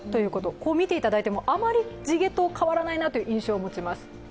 みていただいてもあまり地毛と変わらないなという印象があります。